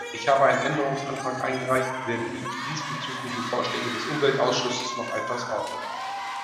Ich habe einen Änderungsantrag eingereicht, der die diesbezüglichen Vorschläge des Umweltausschusses noch etwas ordnet.